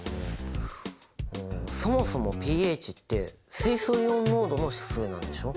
そもそもｐＨって水素イオン濃度の指数なんでしょ？